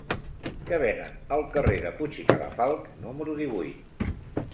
Què venen al carrer de Puig i Cadafalch número divuit?